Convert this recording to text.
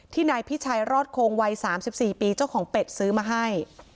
นายพิชัยรอดโคงวัย๓๔ปีเจ้าของเป็ดซื้อมาให้